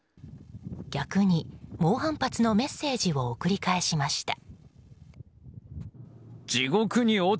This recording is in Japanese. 逆に猛反発のメッセージを送り返しました。